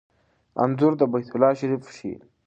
انځور د بیت الله شریف ښيي.